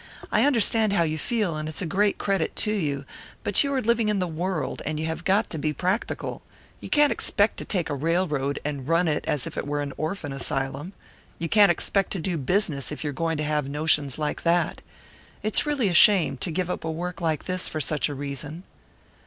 I understand how you feel, and it's a great credit to you; but you are living in the world, and you have got to be practical. You can't expect to take a railroad and run it as if it were an orphan asylum. You can't expect to do business, if you're going to have notions like that. It's really a shame, to give up a work like this for such a reason."